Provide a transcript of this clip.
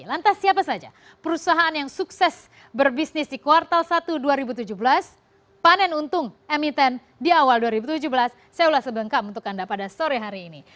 lantas siapa saja perusahaan yang sukses berbisnis di kuartal satu dua ribu tujuh belas panen untung emiten di awal dua ribu tujuh belas saya ulas sebengkam untuk anda pada sore hari ini